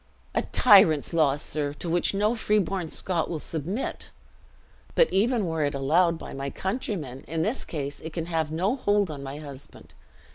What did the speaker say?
"A tyrant's law, sir, to which no freeborn Scot will submit! But even were it allowed by my countrymen, in this case it can have no hold on my husband.